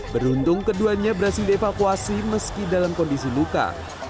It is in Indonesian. beruntung keduanya berhasil dievakuasi meski dalam kondisi luka